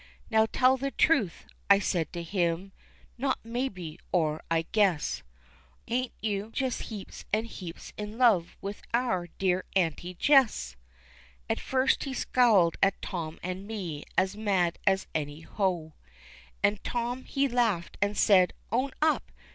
"Now tell the truth," I said to him "not maybe or I guess Ain't you just heaps and heaps in love with our dear Auntie Jess? At first he scowled at Tom and me as mad as any hoe, And Tom he laughed and said, "Own up!